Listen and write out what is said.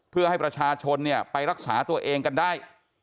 เพื่อให้ประชาชนไปรักษาตัวเองกันได้